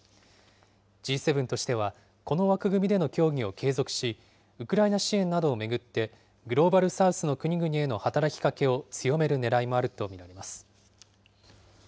Ｇ７としては、この枠組みでの協議を継続し、ウクライナ支援などを巡って、グローバル・サウスの国々への働きかけを強めるねらいもあると見られます。